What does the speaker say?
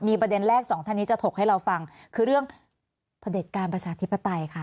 ประเด็นแรกสองท่านนี้จะถกให้เราฟังคือเรื่องประเด็จการประชาธิปไตยค่ะ